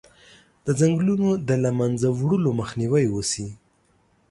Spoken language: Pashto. د ځنګلونو د له منځه وړلو مخنیوی وشي.